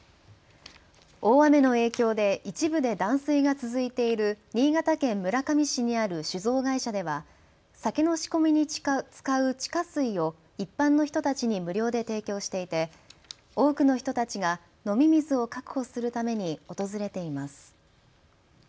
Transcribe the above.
大雨の影響で一部で断水が続いている新潟県村上市にある酒造会社では酒の仕込みに使う地下水を一般の人たちに無料で提供していて多くの人たちが飲み水を確保するために訪れています。